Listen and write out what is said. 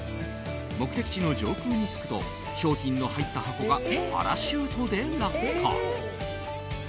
目的地の上空に着くと商品の入った箱がパラシュートで落下。